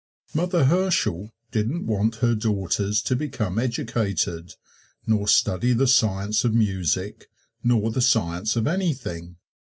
Mother Herschel didn't want her daughters to become educated, nor study the science of music nor the science of anything.